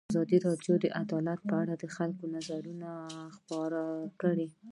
ازادي راډیو د عدالت په اړه د خلکو نظرونه خپاره کړي.